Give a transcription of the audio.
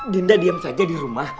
dinda diam saja di rumah